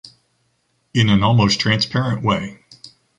In an almost transparent way.